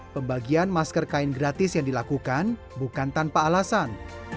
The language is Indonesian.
pembagian masker kain gratis yang dilakukan bukan tanpa alasan